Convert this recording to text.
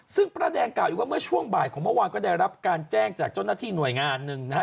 ซึ่งพระแดงกล่าอยู่ว่าเมื่อช่วงบ่ายของเมื่อวานก็ได้รับการแจ้งจากเจ้าหน้าที่หน่วยงานหนึ่งนะฮะ